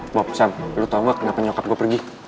mbak sam lo tau gak kenapa nyokap gue pergi